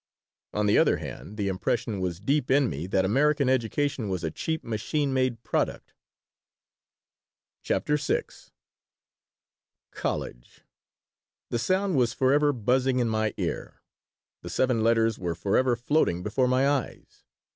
on the other hand, the impression was deep in me that American education was a cheap machine made product. CHAPTER VI COLLEGE! The sound was forever buzzing in my ear. The seven letters were forever floating before my eyes.